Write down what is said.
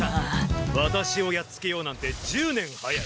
ワタシをやっつけようなんて１０年早い。